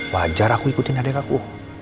wajar aku ikutin adik aku